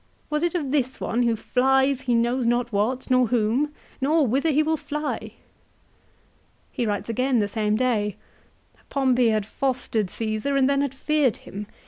Was it of this one who flies he knows not what, nor whom ; nor whither he will fly ?" l He writes again the same day. " Pompey had fostered Csesar ; and then had feared him.